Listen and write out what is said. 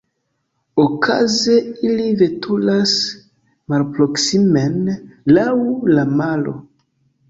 Okaze ili veturas malproksimen laŭ la maro.